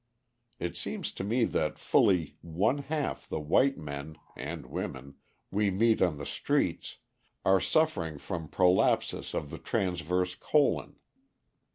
It seems to me that fully one half the white men (and women) we meet on the streets are suffering from prolapsus of the transverse colon.